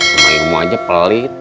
kamu aja pelih